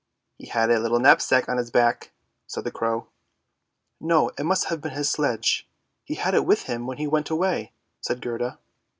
" He had a little knapsack on his back! " said the crow. " No, it must have been his sledge; he had it with him when he went away! " said Gerda.